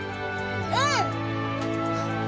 うん！